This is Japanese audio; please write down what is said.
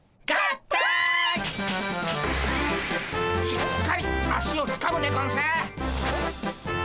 しっかり足をつかむでゴンス。